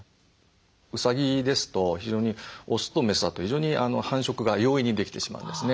うさぎですと非常にオスとメスだと非常に繁殖が容易にできてしまうんですね。